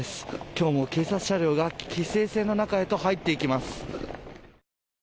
今日も警察車両が規制線の中へと入っていきます。